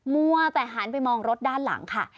มัวแต่หันไปมองรถด้านหลังค่ะ